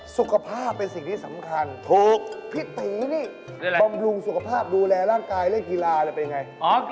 สุขภาพเป็นสิ่งที่สำคัญถูกพี่ตีนี่บำรุงสุขภาพดูแลร่างกายเล่นกีฬาเป็นยังไง